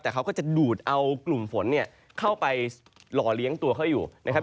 แต่เขาก็จะดูดเอากลุ่มฝนเนี่ยเข้าไปหล่อเลี้ยงตัวเขาอยู่นะครับ